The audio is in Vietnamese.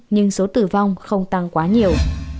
nhưng số tử vong không tăng quá nhiều